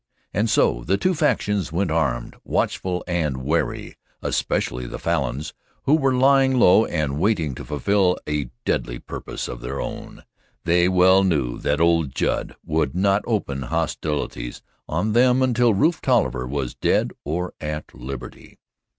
And so the two factions went armed, watchful and wary especially the Falins, who were lying low and waiting to fulfil a deadly purpose of their own. They well knew that old Judd would not open hostilities on them until Rufe Tolliver was dead or at liberty.